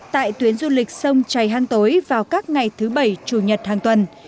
tại tuyến du lịch sông chày hang tối vào các ngày thứ bảy chủ nhật hàng tuần